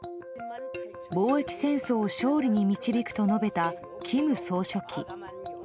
防疫戦争を勝利に導くと述べた金総書記。